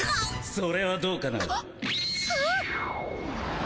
・それはどうかな。